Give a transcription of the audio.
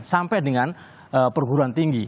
sampai dengan perguruan tinggi